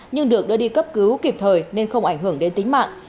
nhưng được đưa đi cấp cứu kịp thời nên không ảnh hưởng đến tính mạng